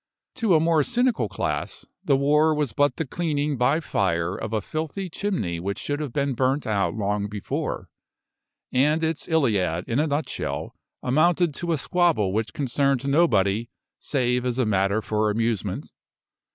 To a more cynical class, the war was but the cleaning by fire of a filthy chimney which should have been burnt out long before, and its Iliad in a nutshell amounted to a squabble which concerned nobody save as a matter for amusement.